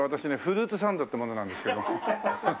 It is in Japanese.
フルーツサンドっていう者なんですけど。